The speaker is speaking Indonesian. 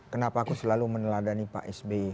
kenapa aku selalu meneladani pak sby